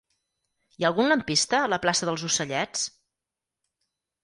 Hi ha algun lampista a la plaça dels Ocellets?